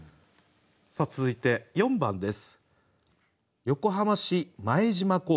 続いて４番です。